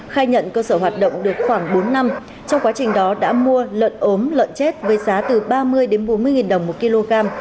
khai nhận cơ sở hoạt động được khoảng bốn năm trong quá trình đó đã mua lợn ốm lợn chết với giá từ ba mươi bốn mươi đồng một kg